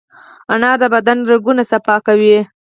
انار د بدن رګونه صفا کوي.